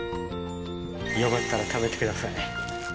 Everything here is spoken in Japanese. よかったら食べてください。